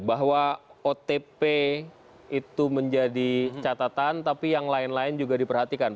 bahwa otp itu menjadi catatan tapi yang lain lain juga diperhatikan